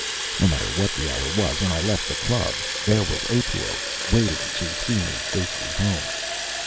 No matter what the hour was when I left the club, there was Otoo waiting to see me safely home.